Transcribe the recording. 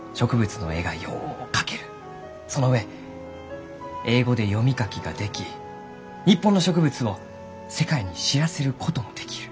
その上英語で読み書きができ日本の植物を世界に知らせることもできる。